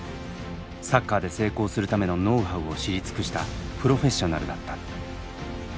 サッカーで成功するためのノウハウを知り尽くしたプロフェッショナルだった。